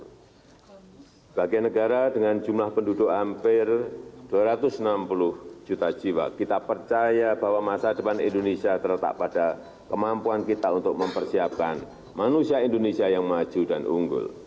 sebagai negara dengan jumlah penduduk hampir dua ratus enam puluh juta jiwa kita percaya bahwa masa depan indonesia terletak pada kemampuan kita untuk mempersiapkan manusia indonesia yang maju dan unggul